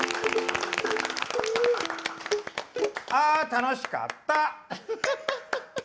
あ、楽しかった！